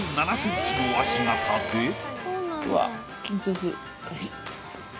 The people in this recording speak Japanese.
うわっ緊張する。